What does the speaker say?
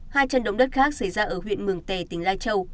hai trận động đất khác xảy ra ở huyện mường tè tỉnh lai châu